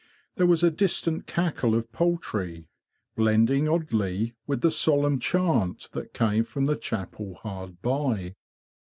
There was a distant cackle of poultry, blending oddly with the solemn chant that came from the chapel hard by.